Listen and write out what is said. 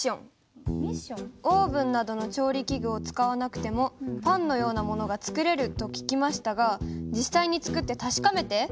「オーブンなどの調理器具を使わなくてもパンのようなものが作れると聞きましたが実際に作って確かめて！